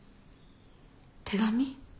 手紙？